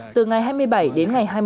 từ ngày hai mươi bảy đến ngày hai mươi